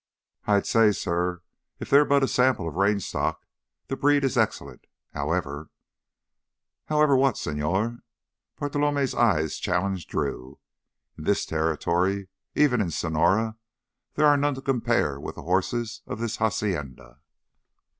"I'd say, suh, if they're but a sample of Range stock, the breed is excellent. However——" "However what, señor?" Bartolomé's eyes challenged Drew. "In this territory, even in Sonora, there are none to compare with the horses of this hacienda."